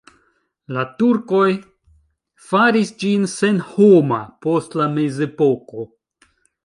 La turkoj faris ĝin senhoma post la mezepoko.